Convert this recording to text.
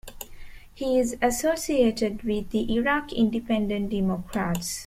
He is associated with the Iraqi Independent Democrats.